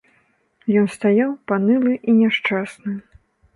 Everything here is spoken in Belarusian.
Ён стаяў панылы і няшчасны.